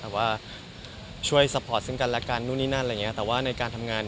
หรือว่าช่วยสปอร์ตซึ่งกันและกันโน่นนี้แต่ว่าในการทำงาน